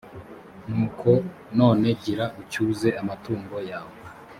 nuko none gira ucyuze amatungo yawe.